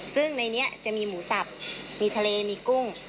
ซึ่งในนี้จะมีหมูสับมีทะเลมีกุ้ง